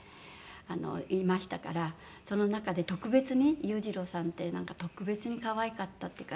その中で特別に裕次郎さんって特別に可愛かったっていうか。